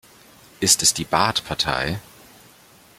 Ist es die Baath-Partei?